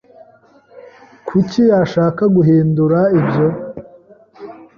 Kuki yashaka guhindura ibyo?